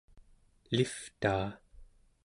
elivtaa